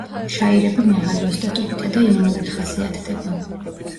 შაირები მაღალი ოსტატობითა და იუმორით ხასიათდება.